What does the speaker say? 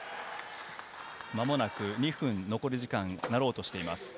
間もなく残り時間が２分になろうとしています。